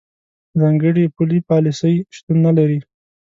ځانګړې پولي پالیسۍ شتون نه لري.